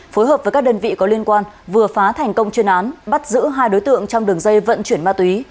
phối hợp với các đơn vị có liên quan vừa phá thành công chuyên án bắt giữ hai đối tượng trong đường dây vận chuyển ma túy